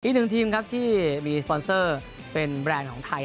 อีกหนึ่งทีมครับที่มีสปอนเซอร์เป็นแบรนด์ของไทย